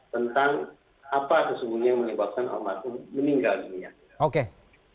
tentang apa yang menyebabkan almatuh meninggal dunia